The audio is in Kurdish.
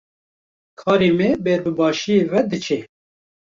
Karê me ber bi başiyê ve diçe.